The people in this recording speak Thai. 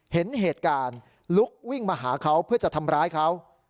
เห็นเหตุการณ์ลุกวิ่งมาหาเขาเพื่อจะทำร้ายเขา